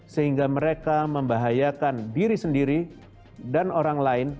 sehingga mereka membahayakan diri sendiri dan orang lain